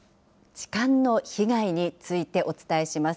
痴漢の被害についてお伝えします。